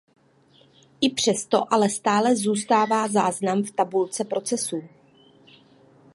I přesto ale stále zůstává záznam v tabulce procesů.